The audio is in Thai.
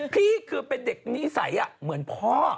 พี่คือเป็นเด็กนิสัยเหมือนพ่อ